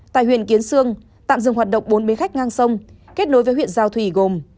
tại huyện kiến sương tạm dừng hoạt động bốn miế khách ngang sông kết nối với huyện giao thủy gồm